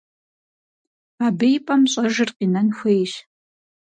Абы и пӀэм щӀэжыр къинэн хуейщ.